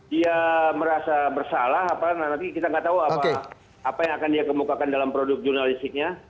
dia merasa bersalah apalagi nanti kita nggak tahu apa yang akan dia kemukakan dalam produk jurnalistiknya